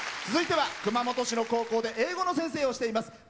続いては熊本市の高校で英語の先生をしています。